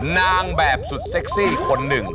นางแบบสุดเซ็กซี่คนหนึ่ง